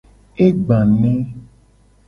E gba ne.